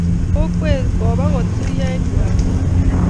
Kokwee kobek kotuyo eng kiwanchee